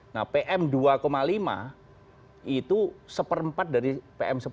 nah pm dua lima itu satu per empat dari pm sepuluh